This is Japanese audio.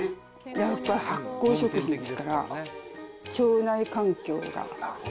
やっぱ発酵食品ですから、腸内環境が。